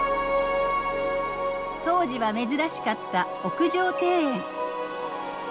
当時は珍しかった屋上庭園。